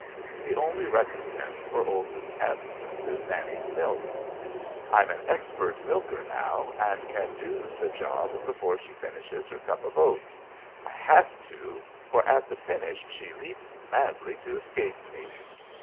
The only recompense for Olson's absence is Nanny's milk. I'm an expert milker now and can do the job before she finishes her cup of oats. I have to, for at the finish she leaps madly to escape me.